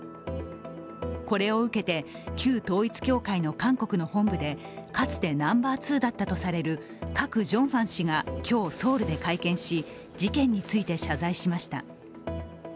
これを受けて旧統一教会の韓国の本部で、かつてナンバー２だったとされるカク・ジョンファン氏が今日、ソウルで会見し、事件について謝罪しました。